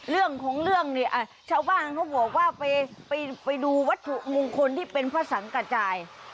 เรื่องของเรื่องเนี่ยชาวบ้านเขาบอกว่าไปดูวัตถุมงคลที่เป็นพระสังกระจาย